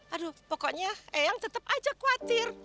aduh pokoknya eang tetep aja khawatir